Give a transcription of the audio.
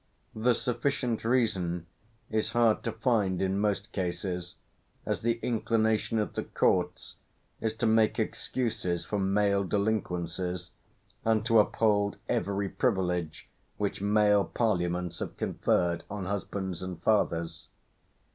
The "sufficient reason" is hard to find in most cases, as the inclination of the Courts is to make excuses for male delinquencies, and to uphold every privilege which male Parliaments have conferred on husbands and fathers.